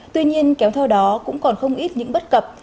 tuy nhiên kéo theo đó cũng còn không ít những bất cập